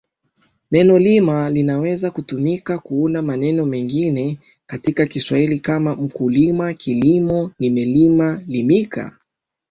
Neno 'lima' linaweza kutumika kuunda maneno mengine katika Kiswahili kama mkulima, kilimo, nimelima, limika.